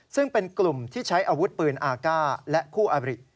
ซึ่งเป็นกลุ่มที่ใช้อาวุธปืนอากาศและคู่อบริ